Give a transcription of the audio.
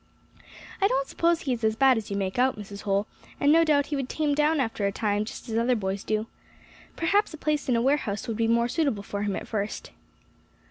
"I don't suppose he is as bad as you make out, Mrs. Holl; and no doubt he would tame down after a time, just as other boys do. Perhaps a place in a warehouse would be more suitable for him at first.